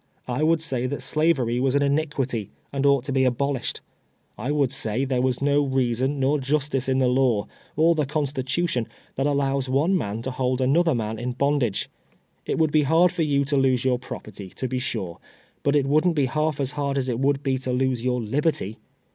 I would say that Slavery was an iniquity, and ouglit to be abolished. I would say there was no reason nor justice in the law, or the constitution that allows one man to hold another man in bondage. It would be luird for you to lose your property, to be sure, but it wouldn't be half as hard as it would be to lose your liberty.